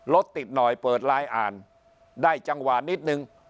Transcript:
รถติดหน่อยเปิดไลน์อ่านได้จังหวะนิดนึง